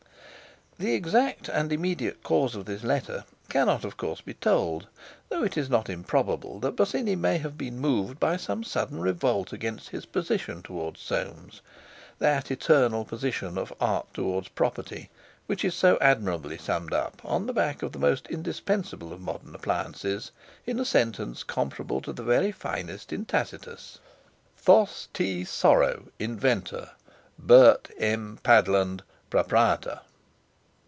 The exact and immediate cause of this letter cannot, of course, be told, though it is not improbable that Bosinney may have been moved by some sudden revolt against his position towards Soames—that eternal position of Art towards Property—which is so admirably summed up, on the back of the most indispensable of modern appliances, in a sentence comparable to the very finest in Tacitus: THOS. T. SORROW, Inventor. BERT M. PADLAND, Proprietor.